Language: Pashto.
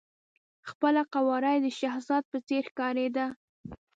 خپله قواره یې د شهزاده په څېر ښکارېده.